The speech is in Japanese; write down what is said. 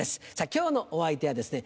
今日のお相手はですね